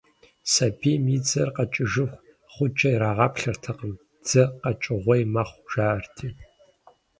Сабийм и дзэр къэкӏыху гъуджэ ирагъаплъэртэкъым, дзэ къэкӏыгъуей мэхъу, жаӏэрти.